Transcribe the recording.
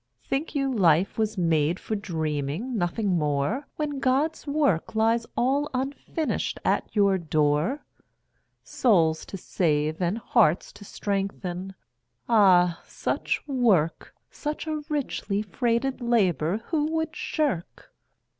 Think you life was made for dreaming, nothing more, When God's work lies all unfinished at your door? Souls to save and hearts to strengthen ah! such work, Such a richly freighted labor, who would shirk?